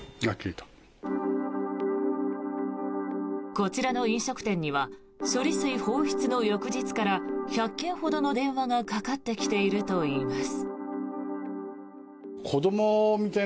こちらの飲食店には処理水放出の翌日から１００件ほどの電話がかかってきているといいます。